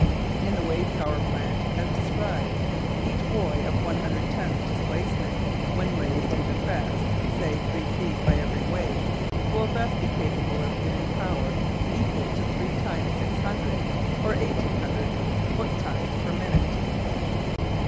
In the wave power plant as described, each buoy of one hundred tons displacement when raised and depressed, say, three feet by every wave will thus be capable of giving power equal to three times 600, or 1,800 foot tons per minute.